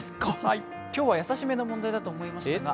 今日は易し目の問題だと思いましたが。